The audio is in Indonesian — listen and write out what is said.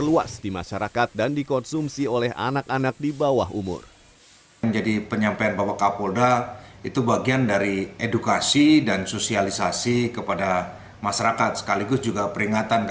luas di masyarakat dan dikonsumsi oleh anak anak di bawah umur